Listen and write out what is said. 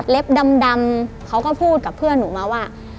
ดำเขาก็พูดกับเพื่อนหนูมาว่า